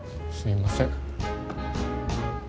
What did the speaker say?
すいません。